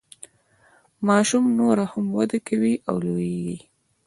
ماشوم نوره هم وده کوي او لوییږي.